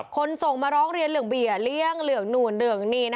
ส่งมาร้องเรียนเหลืองเบียร์เลี่ยงเหลืองนู่นเหลืองนี่